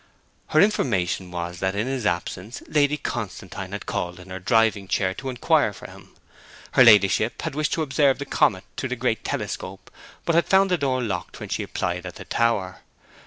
Her information was that in his absence Lady Constantine had called in her driving chair, to inquire for him. Her ladyship had wished to observe the comet through the great telescope, but had found the door locked when she applied at the tower.